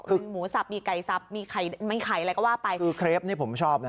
คือหมูสับมีไก่สับมีไข่มีไข่อะไรก็ว่าไปคือเครปนี่ผมชอบนะ